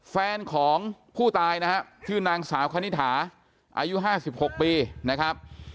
แฟนของผู้ตายนะฮะชื่อนางสาวคณิตถาอายุ๕๖ปีนะครับ